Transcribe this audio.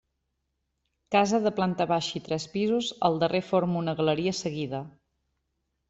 Casa de planta baixa i tres pisos, el darrer forma una galeria seguida.